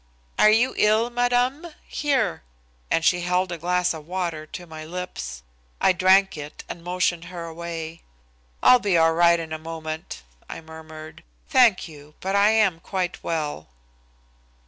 "Are you ill, madame? Here!" and she held a glass of water to my lips. I drank it and motioned her away. "I'll be all right in a moment," I murmured. "Thank you, but I am quite well."